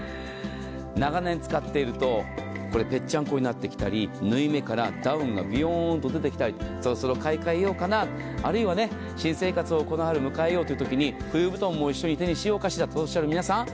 長年使っているとぺっちゃんこになってきたり縫い目からダウンがビヨーンと出てきたりそろそろ買い換えようかなあるいは新生活に向かわれるときに冬布団を手にしようかしらとおっしゃる皆さん